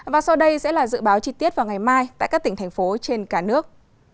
và sau đây sẽ là dự báo chi tiết vào ngày mai tại các tỉnh thành phố trên cả nước